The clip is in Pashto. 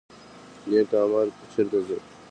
نیک عمل چیرته ځي؟